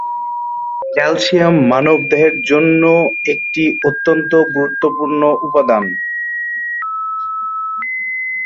Calcium মানবদেহের জন্যও একটি অত্যন্ত গুরুত্বপূর্ণ উপাদান।